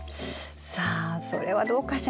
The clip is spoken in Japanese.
さあそれはどうかしら。